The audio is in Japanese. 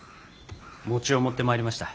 餅を持ってまいりました。